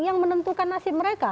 yang menentukan nasib mereka